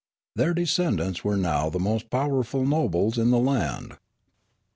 Their descendants were now the most powerful nobles in the land.